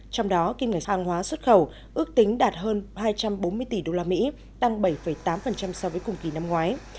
trong đó kim ngạch hàng hóa xuất khẩu ước tính đạt hơn hai trăm bốn mươi tỷ usd tăng bảy tám so với cùng kỳ năm ngoái